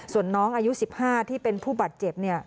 ส่วนน้องอายุ๑๕ที่เป็นผู้บาดเจ็บ